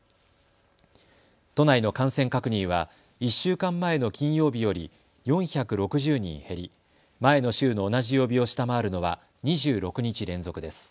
都内の感染確認は１週間前の金曜日より４６０人減り、前の週の同じ曜日を下回るのは２６日連続です。